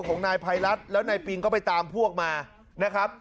ของนายภัยรัฐแล้วนายปิงก็ไปตามพวกมานะครับ